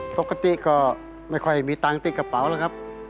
ปกติก็ไม่ค่อยมีตังค์ติดกระเป๋าแล้วครับ